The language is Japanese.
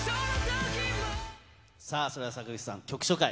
それでは坂口さん、曲紹介